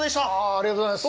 ありがとうございます。